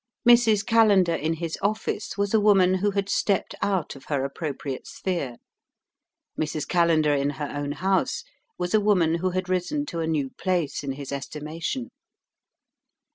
Mrs. Callender in his office was a woman who had stepped out of her appropriate sphere. Mrs. Callender in her own house was a woman who had risen to a new place in his estimation.